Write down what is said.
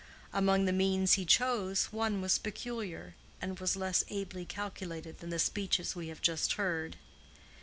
Among the means he chose, one was peculiar, and was less ably calculated than the speeches we have just heard.